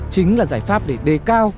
chính là giải pháp để đề cao